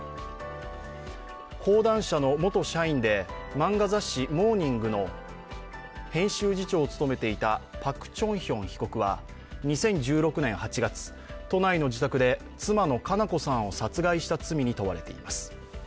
講談社の元社員で漫画雑誌「モーニング」の編集次長を務めていたパク・チョンヒョン被告は２０１６年８月、都内の自宅で妻の佳菜子さんを殺害した罪に問われています。